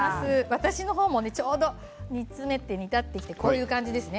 私の方もちょうど煮詰めて煮立ってきてこういう感じですね。